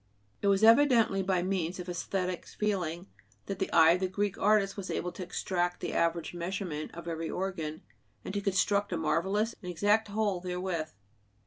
It was evidently by means of æsthetic feeling that the eye of the Greek artist was able to extract the average measurement of every organ, and to construct a marvelous and exact whole therewith.